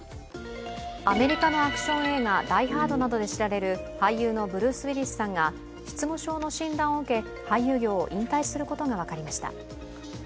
アメリカのアクション映画「ダイ・ハード」などで知られる俳優のブルース・ウィリスさんが失語症の診断を受け俳優業を引退することが分かりました。